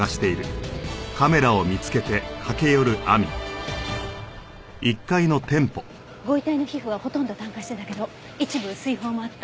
ご遺体の皮膚はほとんど炭化してたけど一部水疱もあった。